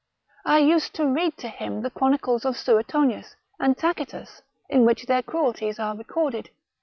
I used to read to him the chronicles of Suetonius, and Tacitus, in which their cruelties are recorded.